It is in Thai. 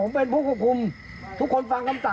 แล้วลูกสาวถูกขังอยู่ในบ้าน